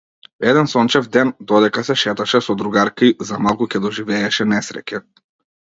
Еден сончев ден, додека се шеташе со другарка ѝ, за малку ќе доживееше несреќа.